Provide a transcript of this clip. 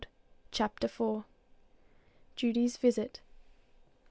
CHAPTER IV. JUDY'S VISIT.